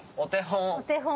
お手本。